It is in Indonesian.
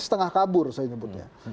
setengah kabur saya nyebutnya